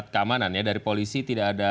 keamanan ya dari polisi tidak ada